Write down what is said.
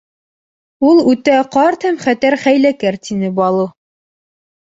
— Ул үтә ҡарт һәм хәтәр хәйләкәр, — тине Балу.